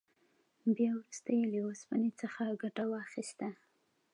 بیا وروسته یې له اوسپنې څخه ګټه واخیسته.